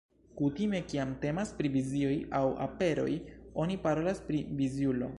Kutime, kiam temas pri vizioj aŭ aperoj oni parolas pri"viziulo".